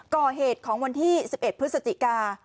ก่อเหตุของวันที่๑๑พฤศจิกา